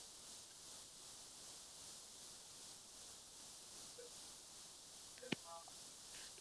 benki kuu inatoa vibari vya uendeshaji wa benki za biashrara